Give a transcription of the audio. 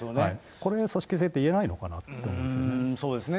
これ、組織性といえないのかなと思いますね。